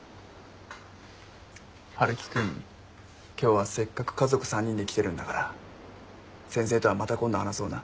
春樹君今日はせっかく家族３人で来てるんだから先生とはまた今度話そうな。